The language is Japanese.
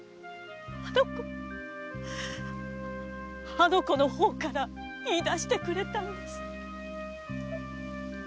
あの子の方から言い出してくれたんです！